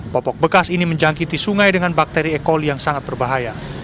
popok bekas ini menjangkiti sungai dengan bakteri ekol yang sangat berbahaya